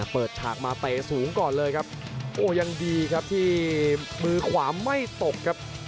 ฉากมาเตะสูงก่อนเลยครับโอ้ยังดีครับที่มือขวาไม่ตบครับ